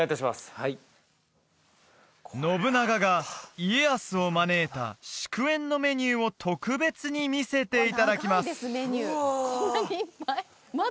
はい信長が家康を招いた祝宴のメニューを特別に見せていただきますうわ